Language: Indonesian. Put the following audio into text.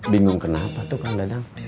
bingung kenapa tuh kang dadang